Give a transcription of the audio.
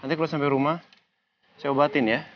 nanti kalau sampai rumah saya obatin ya